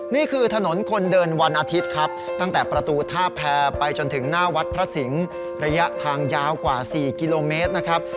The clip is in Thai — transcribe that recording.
นี่คือถนนคนเดินวันอาทิตย์ครับตั้งแต่ประตูท่าแพรไปจนถึงหน้าวัดพระสิงศ์ระยะทางยาวกว่า๔กิโลเมตรนะครับ